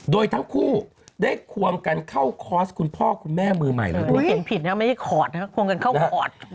โดยทั้งคู่ได้ควมกันเข้าคอร์สคุณพ่อคุณแม่มือใหม่แล้วด้วย